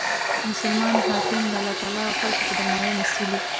مسلمان حاکم د الله تعالی او خلکو په وړاندي مسئول يي.